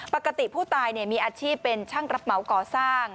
ปกติผู้ตายมีอาชีพเป็นช่างรับเหมาก่อสร้าง